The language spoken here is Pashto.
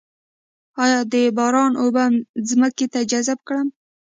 آیا د باران اوبه ځمکې ته جذب کړم؟